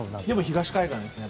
東海岸ですね。